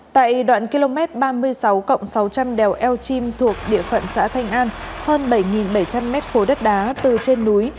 tại đoạn km ba mươi sáu cộng sáu trăm linh đèo eo chim thuộc địa phận xã thanh an hơn bảy bảy trăm linh m khối đất đá từ trên núi